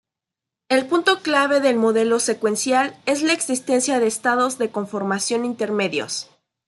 El punto clave del modelo secuencial es la existencia de estados de conformación intermedios.